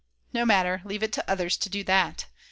No matter, leave it to others to do that.